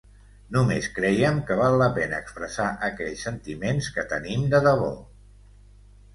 Només creiem que val la pena expressar aquells sentiments que tenim de debò.